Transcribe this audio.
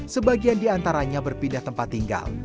sebagian diantaranya berpindah tempat tinggal